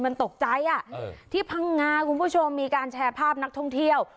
มันตกใจอ่ะที่พังงาคุณผู้ชมมีการแชร์ภาพนักท่องเที่ยว